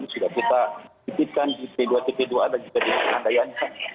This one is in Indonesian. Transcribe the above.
kita dipikirkan di p dua p dua ada juga di perlengkapan